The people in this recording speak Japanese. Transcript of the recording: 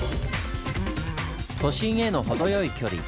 都心へのほどよい距離。